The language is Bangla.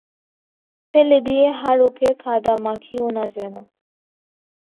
ফেলে দিয়ে হারুকে কাদা মাখিও না যেন।